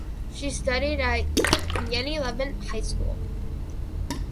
She studied at Yeni Levent High School.